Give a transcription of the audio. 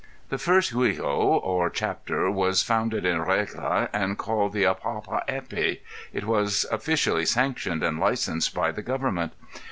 The first Juego or chapter was founded in Regla and called the Apapa Epi; it was officially sanctioned and licensed by the government.